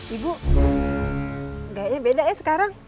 ibu kayaknya beda ya sekarang